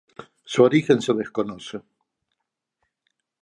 Su origen se desconoce.